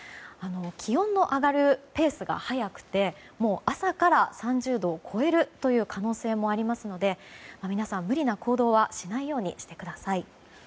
気温の上がるペースが早くて朝から３０度を超えるという可能性もありますので皆さん、無理な行動はしないようにしてください。